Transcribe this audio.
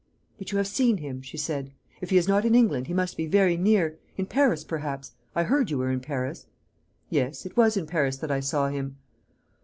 "But you have seen him," she said. "If he is not in England, he must be very near in Paris perhaps. I heard you were in Paris." "Yes; it was in Paris that I saw him."